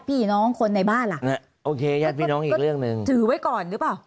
พี่น้องคนในบ้านล่ะโอเคญาติพี่น้องอีกเรื่องหนึ่งถือไว้ก่อนหรือเปล่า